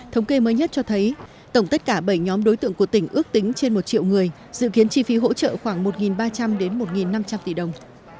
thống kê mới nhất cho thấy tổng tất cả bảy nhóm đối tượng của tỉnh ước tính trên một triệu người dự kiến chi phí hỗ trợ khoảng một ba trăm linh đến một năm trăm linh tỷ đồng